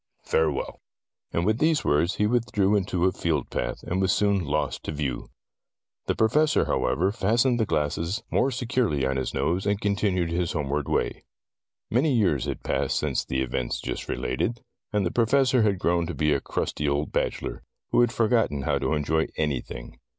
Farewell." And with these words he withdrew into a field path, and was soon lost to view. The Professor, however, fastened the glasses Tales of Modern Germany 13 more securely on his nose, and continued his homeward way. Many years had passed since the events just related, and the Professor had grown to be a crusty old bachelor, who had for gotten how to enjoy anything.